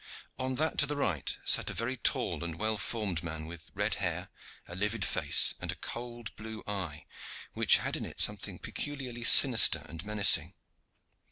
On that to the right sat a very tall and well formed man with red hair, a livid face, and a cold blue eye, which had in it something peculiarly sinister and menacing.